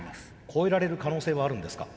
超えられる可能性はあるんですか？